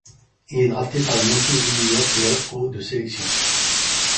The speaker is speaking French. Il est drafté par les Yankees de New York le au de sélection.